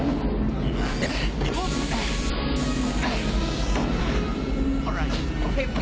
はい！